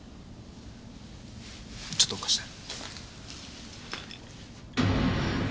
ちょっと貸して。